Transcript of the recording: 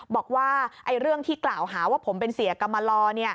บอกว่าเรื่องที่กล่าวหาว่าผมเป็นเสียกรรมลอ